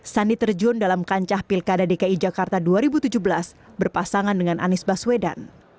sandi terjun dalam kancah pilkada dki jakarta dua ribu tujuh belas berpasangan dengan anies baswedan